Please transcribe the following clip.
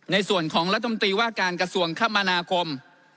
ในส่วนของรัฐมนตรีว่าการกระทรวงคมนาคม